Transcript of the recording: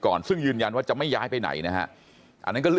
บอกแล้วบอกแล้วบอกแล้วบอกแล้วบอกแล้วบอกแล้วบอกแล้ว